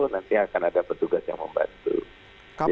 nanti akan ada petugas yang membantu